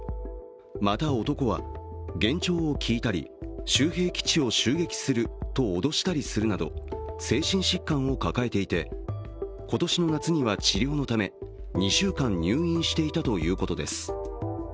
また、男は幻聴を聞いたり、周辺基地を襲撃すると脅したりするなど、精神疾患を抱えていて、今年の夏には治療のため２週間入院していたということです。